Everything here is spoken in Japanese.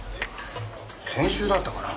先週だったかな？